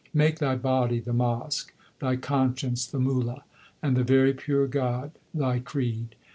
Make thy body the mosque, thy conscience the Mulla, and the very pure God thy creed.